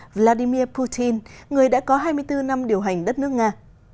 vladimir putin người đã có hai mươi bốn năm điều hành đất nước nga